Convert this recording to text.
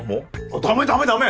ダメダメダメ！